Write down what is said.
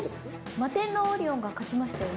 マテンロウオリオンが勝ちましたよね。